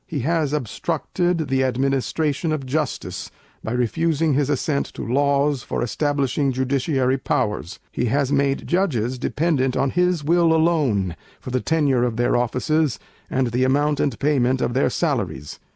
He has obstructed the Administration of Justice, by refusing his Assent to Laws for establishing Judiciary Powers. He has made judges dependent on his Will alone, for the tenure of their offices, and the amount and payment of their salaries.